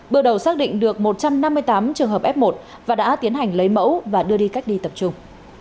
bước đầu xác định được một trăm năm mươi tám trường hợp f một và đã tiến hành lấy mẫu và đưa đi cách ly tập trung